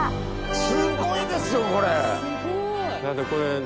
すごいですよこれ！